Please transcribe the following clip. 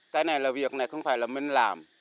cái này là việc này không phải là mình làm